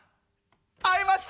「会えました！」。